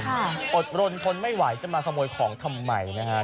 อดรนทนไม่ไหวจะมาขโมยของทำไมนะฮะ